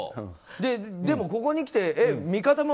でもここにきて味方も。